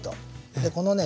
でこのね